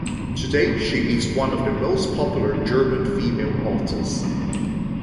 Today she is one of the most popular German female authors.